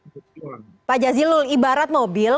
pak jazilul ibarat mobil